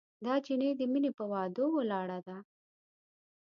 دا جینۍ د مینې پهٔ وعدو ولاړه ده